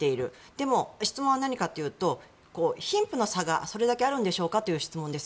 でも、質問は何かというと貧富の差がそれだけあるんでしょうかという質問です。